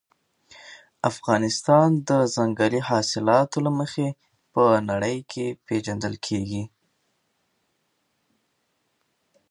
افغانستان د ځنګلي حاصلاتو له مخې په نړۍ کې پېژندل کېږي.